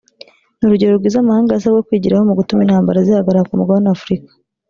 ni urugero rwiza amahanga yasabwe kwigiraho mu gutuma intambara zihagarara ku mugabane wa Afurika